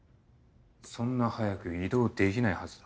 そんな早く移動できないはずだ。